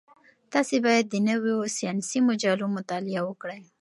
تاسي باید د نویو ساینسي مجلو مطالعه وکړئ.